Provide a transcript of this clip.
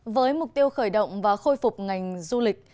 với mục tiêu khởi động và khôi phục ngành du lịch